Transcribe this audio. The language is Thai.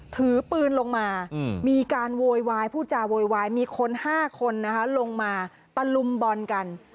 ถือปืนลงมามีการโวยวายผู้จาโวยวายมีคน๕คนนะคะลงมาตะลุมบอลกัน